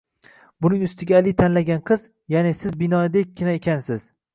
Buning ustiga Ali tanlagan qiz, ya`ni siz binoyidekkina ekansiz